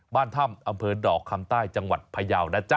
บ้านถ้ำอำเภอดอกคำใต้จังหวัดพยาวนะจ๊ะ